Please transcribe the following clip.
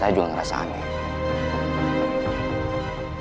tapi ergruppe nya sangat keras